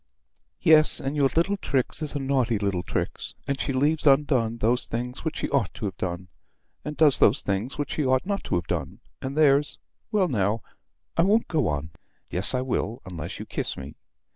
Yes, and your little Trix is a naughty little Trix, and she leaves undone those things which she ought to have done, and does those things which she ought not to have done, and there's well now I won't go on. Yes, I will, unless you kiss me."